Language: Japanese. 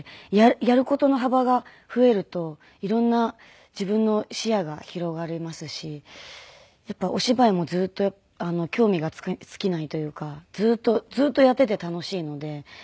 やる事の幅が増えると色んな自分の視野が広がりますしやっぱりお芝居もずーっと興味が尽きないというか。